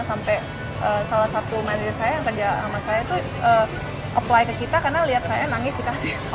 sampai salah satu manager saya yang kerja sama saya itu apply ke kita karena lihat saya nangis di cashier